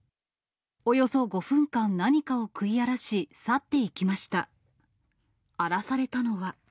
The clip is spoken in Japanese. およそ５分間、何かを食い荒らし、去っていきました。